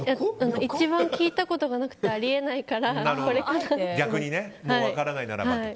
一番聞いたことがなくてあり得ないからこれかなって。